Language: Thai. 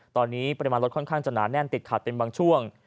ตอนนี้ปริมาณรถค่อนข้างจะหนาแน่นติดขัดเป็นบางช่วง